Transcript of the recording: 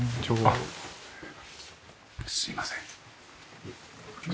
あっすいません。